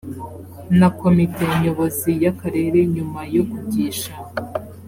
na komite nyobozi y akarere nyuma yo kugisha